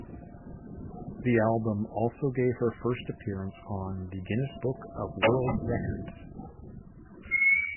The album also gave her first appearance on the "Guinness Book of World Records".